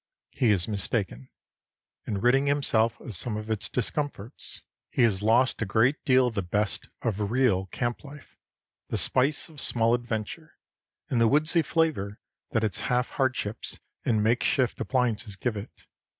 He is mistaken. In ridding himself of some of its discomforts, he has lost a great deal of the best of real camp life; the spice of small adventure, and the woodsy flavor that its half hardships and makeshift appliances give it.